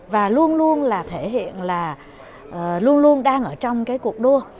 và luôn luôn là thể hiện là luôn luôn đang ở trong cái cuộc đua